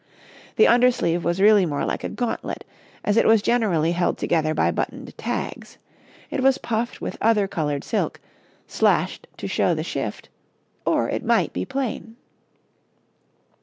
The under sleeve was really more like a gauntlet, as it was generally held together by buttoned tags; it was puffed with other coloured silk, slashed to show the shift, or it might be plain.